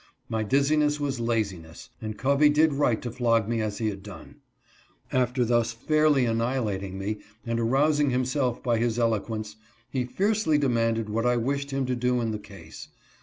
My dizziness was laziness, and Covey did right to flog me as he had done. After thus fairly annihilating me, and arousing himself by his eloquence, he fiercely demanded what I wished him to do in the case